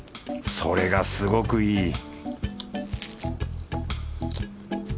それがすごくいい